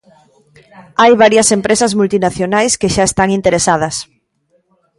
Hai varias empresas multinacionais que xa están interesadas.